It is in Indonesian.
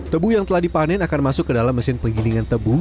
tebu yang telah dipanen akan masuk ke dalam mesin penggilingan tebu